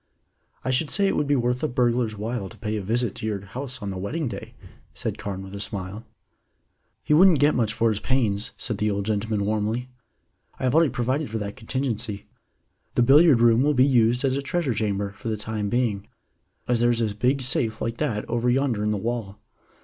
"I should say it would be worth a burglar's while to pay a visit to your house on the wedding day," said Carne with a smile. "He wouldn't get much for his pains," said the old gentleman warmly. "I have already provided for that contingency. The billiard room will be used as a treasure chamber for the time being, as there is a big safe like that over yonder in the wall.